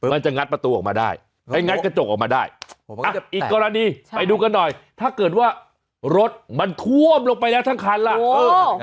มันจะงัดประตูออกมาได้ไปงัดกระจกออกมาได้อีกกรณีไปดูกันหน่อยถ้าเกิดว่ารถมันท่วมลงไปแล้วทั้งคันล่ะ